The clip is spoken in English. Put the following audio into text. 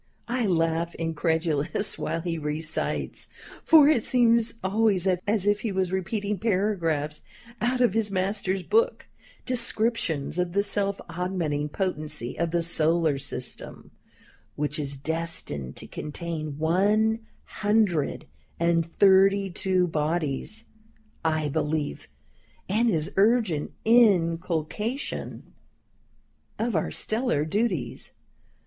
I laugh incredulous whilst he recites (for it seems always as if he was repeating paragraphs out of his master's book) descriptions of the self augmenting potency of the solar system, which is destined to contain one hundred and thirty two bodies, I believe, and his urgent inculcation of our stellar duties.